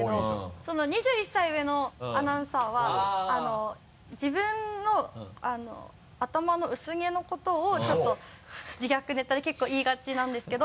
その２１歳上のアナウンサーは自分の頭の薄毛のことをちょっと自虐ネタで結構言いがちなんですけど。